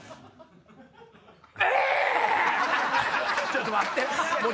ちょっと待って！